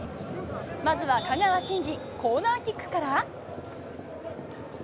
まずは香川真司、コーナーキックから。